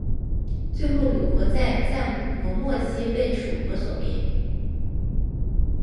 最后鲁国在战国末期被楚国所灭。